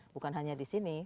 bukan hanya di sini